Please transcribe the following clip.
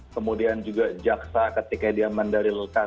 kemudian juga jaksa ketika dia mendalilkan